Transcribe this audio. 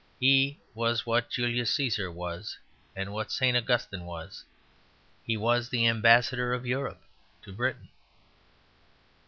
He was what Julius Cæsar was, and what St. Augustine was: he was the ambassador of Europe to Britain.